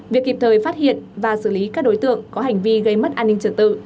việc kịp thời phát hiện và xử lý các đối tượng có hành vi gây mất an ninh trật tự